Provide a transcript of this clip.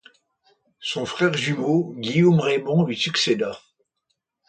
Son frère jumeau, Guillaume-Raymond lui succéda.